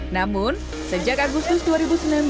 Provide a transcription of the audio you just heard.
namun sejak agustus dua ribu sembilan belas